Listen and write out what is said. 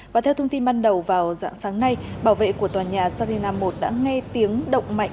và theo thông tin ban đầu vào dạng sáng nay bảo vệ của tòa nhà sarina một đã nghe tiếng động mạnh